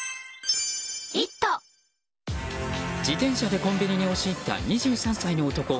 自転車でコンビニに押し入った２３歳の男。